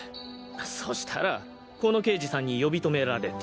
そしたらこの刑事さんに呼び止められて。